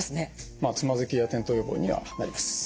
まあつまずきや転倒予防にはなります。